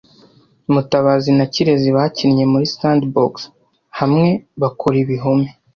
Mutabazi na Kirezi bakinnye muri sandbox hamwe bakora ibihome.